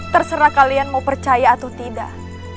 terserah kalian mau percaya atau tidak